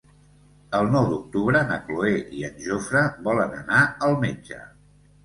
El nou d'octubre na Cloè i en Jofre volen anar al metge.